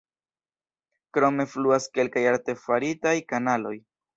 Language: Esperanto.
Krome fluas kelkaj artefaritaj kanaloj.